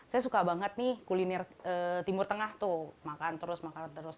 saya suka banget nih kuliner timur tengah tuh makan terus makan terus